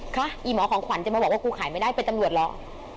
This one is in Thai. ค่ะอีหมอของขวัญจะมาบอกว่ากูขายไม่ได้เป็นจังหวัดเหรอ